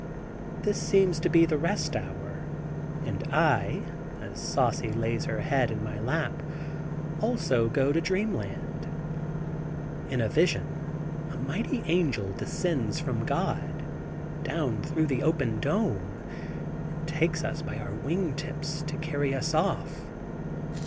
This seems to be the rest hour, and I, as Saucy lays her head in my lap, also to go to dreamland. In vision a mighty angel descends from God, down through the open dome and takes us by our wing tips, to carry us off.